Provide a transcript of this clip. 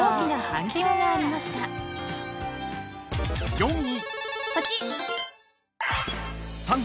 ［４位］